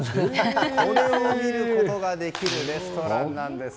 これを見ることができるレストランなんです。